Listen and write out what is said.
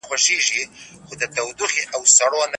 څه شی د خپل دروني غږ اورېدو ته لاره هواروي؟